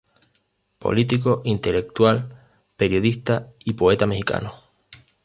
Político, intelectual, periodista, y poeta mexicano.